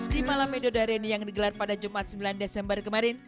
di malam edo dareni yang digelar pada jumat sembilan desember kemarin